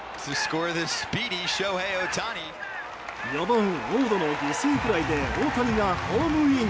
４番ウォードの犠牲フライで大谷がホームイン。